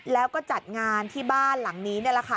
แล้วก็จัดงานที่บ้านหลังนี้นี่แหละค่ะ